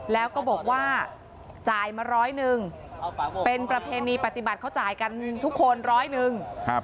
แล้วก็บอกว่าจ่ายมาร้อยหนึ่งเป็นประเพณีปฏิบัติเขาจ่ายกันทุกคนร้อยหนึ่ง